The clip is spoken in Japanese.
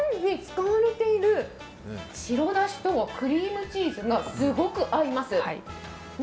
寒天に使われている白だしとクリームチーズがすごく合います。